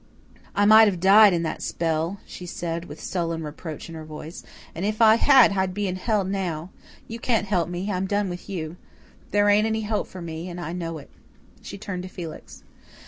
"I might have died in that spell," she said, with sullen reproach in her voice, "and if I had, I'd been in hell now. You can't help me I'm done with you. There ain't any hope for me, and I know it now." She turned to Felix.